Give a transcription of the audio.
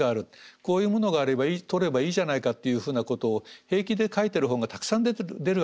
こういうものがあればとればいいじゃないかっていうふうなことを平気で書いてる本がたくさん出るわけですよ。